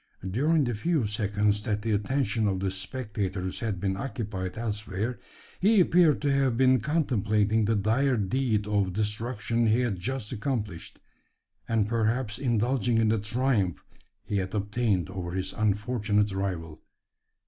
During the few seconds that the attention of the spectators had been occupied elsewhere, he appeared to have been contemplating the dire deed of destruction he had just accomplished, and perhaps indulging in the triumph he had obtained over his unfortunate rival.